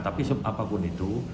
tapi apapun itu